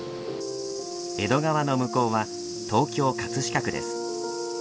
江戸川の向こうは東京・葛飾区です。